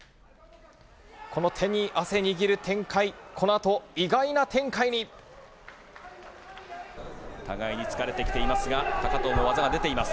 この手に汗握る展開、このあと意互いに疲れてきていますが、高藤の技は出ています。